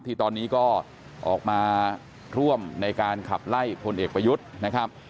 ที่ตอนนี้ก็ออกมาร่วมในการขับไล่พลเอกประยุทธ์นะครับ